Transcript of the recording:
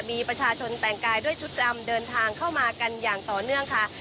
มีประชาชนแต่งกายด้วยชุดดำเดินทางเข้ามากันอย่างต่อเนื่องค่ะ